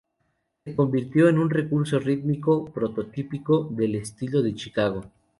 Se convirtió en un recurso rítmico prototípico del estilo de Chicago.